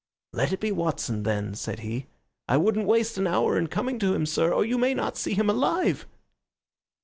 'Let it be Watson, then,' said he. I wouldn't waste an hour in coming to him, sir, or you may not see him alive."